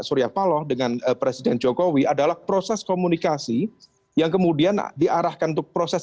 surya paloh dengan presiden jokowi adalah proses komunikasi yang kemudian diarahkan untuk proses